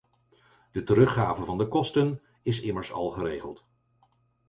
De teruggave van de kosten is immers al geregeld.